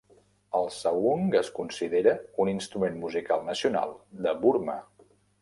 El saung es considera un instrument musical nacional de Burma.